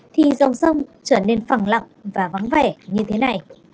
thì dòng sông trở nên phẳng lặng và vắng vẻ như thế này